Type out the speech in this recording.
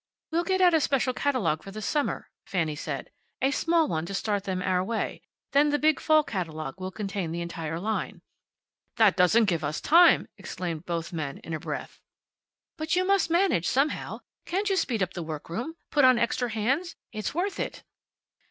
"We'll get out a special catalogue for the summer," Fanny said. "A small one, to start them our way. Then the big Fall catalogue will contain the entire line." "That doesn't give us time!" exclaimed both men, in a breath. "But you must manage, somehow. Can't you speed up the workroom? Put on extra hands? It's worth it."